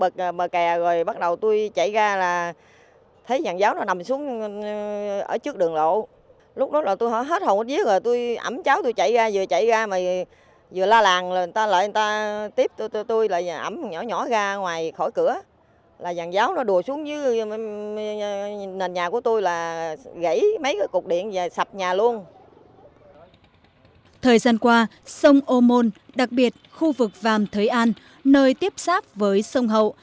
thời gian qua sông ô môn đặc biệt khu vực vàm thới an nơi tiếp xác với sông hậu